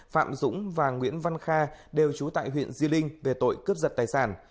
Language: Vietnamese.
phạm dũng và nguyễn văn kha đều trú tại huyện di linh về tội cướp giật tài sản